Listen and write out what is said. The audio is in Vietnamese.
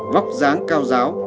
vóc dáng cao giáo